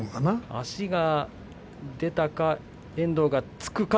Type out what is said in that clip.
足が出たか遠藤がつくか。